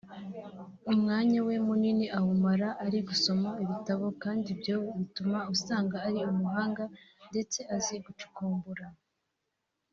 umwanya we munini awumara ari gusoma ibitabo kandi ibyo bituma usanga ari umuhanga ndetse azi gucukumbura